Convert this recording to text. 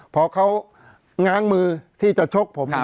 เพราะฉะนั้นประชาธิปไตยเนี่ยคือการยอมรับความเห็นที่แตกต่าง